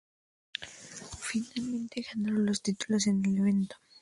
Finalmente ganaron los títulos en el evento.